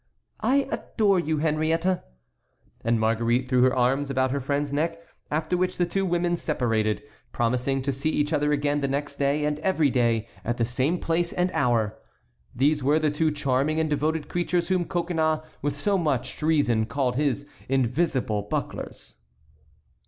"I adore you, Henriette." And Marguerite threw her arms about her friend's neck, after which the two women separated, promising to see each other again the next day, and every day, at the same place and hour. These were the two charming and devoted creatures whom Coconnas, with so much reason, called his invisible bucklers.